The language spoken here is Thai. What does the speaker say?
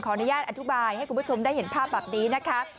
อนุญาตอธิบายให้คุณผู้ชมได้เห็นภาพแบบนี้นะคะ